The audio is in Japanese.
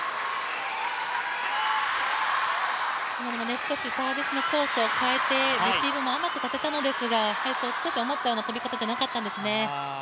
今のも少しサービスのコースを変えてレシーブも甘くさせたのですが、少し思ったような飛び方じゃなかったんですね。